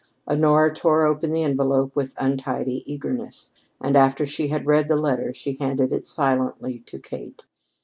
Honora tore open the envelope with untidy eagerness, and after she had read the letter she handed it silently to Kate.